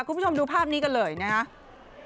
คุณผู้ชมดูภาพนี้กันเลยนะครับ